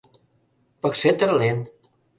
Пыкше тырлен...